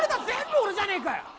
全部、俺じゃねえかよ！